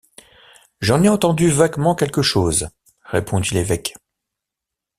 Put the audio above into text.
J’en ai entendu vaguement quelque chose, répondit l’évêque.